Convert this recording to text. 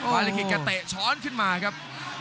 วาลิขิตก็เตะช้อนขึ้นมาครับ